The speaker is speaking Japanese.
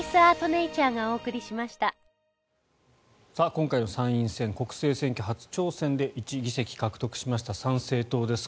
今回の参院選国政選挙初挑戦で１議席獲得しました参政党です。